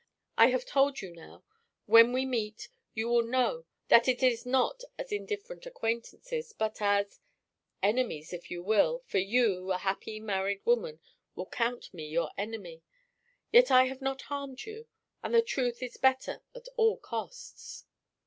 I have told you now; when we meet, you will know that it is not as indifferent acquaintances, but as enemies if you will, for you, a happy married woman will count me your enemy! Yet I have not harmed you, and the truth is better at all costs."